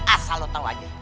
asal lo tau aja